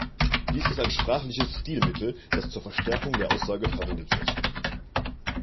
Dies ist ein sprachliches Stilmittel, das zur Verstärkung der Aussage verwendet wird.